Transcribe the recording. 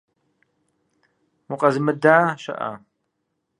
Укъэзымыда щыӏэ?